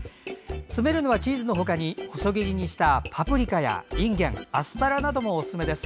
詰めるのはチーズの他に細切りにしたパプリカやいんげん、アスパラなどもおすすめです。